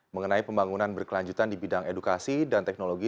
mengenai pembangunan berkelanjutan di bidang edukasi dan teknologi